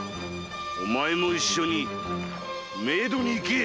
お前も一緒に冥土に行け！